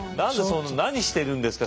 何してるんですか。